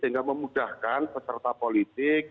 hingga memudahkan peserta politik